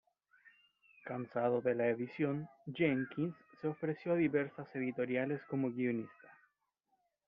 Cansado de la edición, Jenkins se ofreció a diversas editoriales como guionista.